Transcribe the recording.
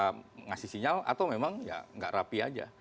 bisa ngasih sinyal atau memang ya nggak rapi aja